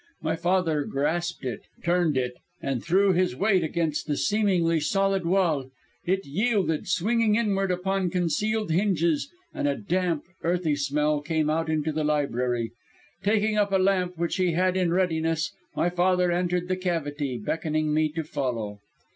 My father grasped it, turned it, and threw his weight against the seemingly solid wall. It yielded, swinging inward upon concealed hinges, and a damp, earthy smell came out into the library. Taking up a lamp, which he had in readiness, my father entered the cavity, beckoning me to follow.